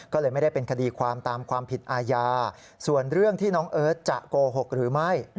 ก็เลยไม่ได้เป็นคดีความตามความผิดอาญาส่วนเรื่องที่น้องเอิร์ทจะโกหกหรือไม่